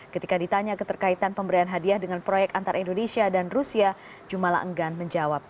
ketika ditanya keterkaitan pemberian hadiah dengan proyek antara indonesia dan rusia jumala enggan menjawab